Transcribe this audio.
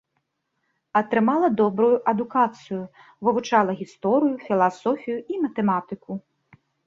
Атрымала добрую адукацыю, вывучала гісторыю, філасофію і матэматыку.